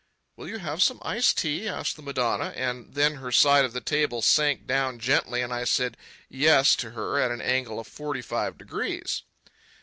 "Will you have some iced tea?" asked the Madonna; and then her side of the table sank down gently and I said yes to her at an angle of forty five degrees.